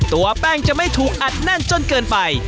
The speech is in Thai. ตัวแป้งจะไม่ถูกอัดแน่นจนเกินไป